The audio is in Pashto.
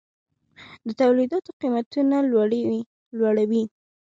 د تولیداتو قیمتونه لوړوي.